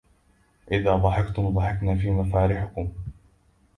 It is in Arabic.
إذا ضحكتم ضحكنا في مفارحكم